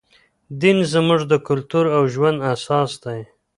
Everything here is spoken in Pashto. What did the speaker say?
دین زموږ د کلتور او ژوند اساس دی.